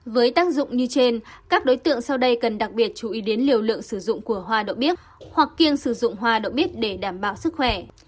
với tác dụng như trên các đối tượng sau đây cần đặc biệt chú ý đến liều lượng sử dụng của hoa đậu bí hoặc kiêng sử dụng hoa đậu bít để đảm bảo sức khỏe